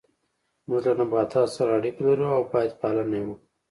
موږ له نباتاتو سره اړیکه لرو او باید پالنه یې وکړو